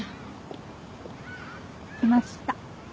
来ました。